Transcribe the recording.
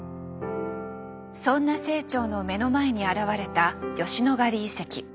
そんな清張の目の前に現れた吉野ヶ里遺跡。